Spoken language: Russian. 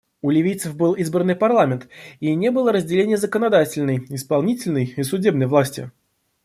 У ливийцев был избранный парламент, и не было разделения законодательной, исполнительной и судебной власти.